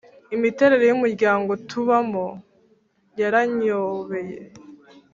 imiterere y umuryango tubamo yaranyobeye